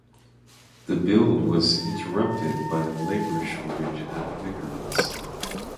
The build was interrupted by a labour shortage at Vickers.